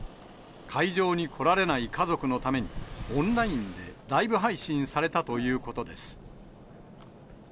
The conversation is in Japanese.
会場に来られない家族のために、オンラインでライブ配信されたということです。